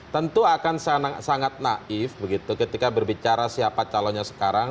tentu akan sangat naif begitu ketika berbicara siapa calonnya sekarang